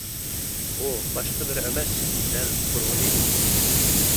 ئۇ باشقا بىرى ئەمەس دەل تۇرغۇن ئىدى.